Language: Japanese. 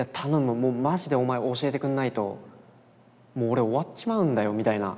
もうマジでお前教えてくんないともう俺終わっちまうんだよ」みたいな。